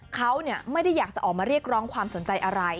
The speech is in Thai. เขาไม่ได้อยากจะออกมาเรียกร้องความสนใจอะไร